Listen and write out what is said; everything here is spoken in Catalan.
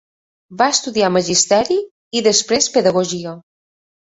Va estudiar magisteri i després pedagogia.